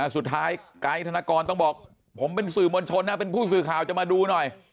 สุดท้ายไกด์ธนกรต้องบอกผมเป็นสื่อมวลชนนะเป็นผู้สื่อข่าวจะมาดูหน่อย